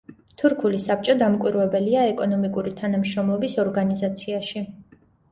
თურქული საბჭო დამკვირვებელია ეკონომიკური თანამშრომლობის ორგანიზაციაში.